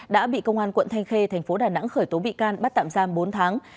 đã bị công an quận thanh khê thành phố đà nẵng khởi tố bị can bắt tạm giam bốn tháng